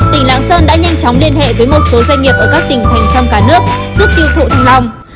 tỉnh lạng sơn đã nhanh chóng liên hệ với một số doanh nghiệp ở các tỉnh thành trong cả nước giúp tiêu thụ thanh long